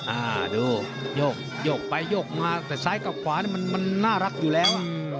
อ่าดูโยกโยกไปโยกมาแต่ซ้ายกับขวานี่มันน่ารักอยู่แล้วอ่ะ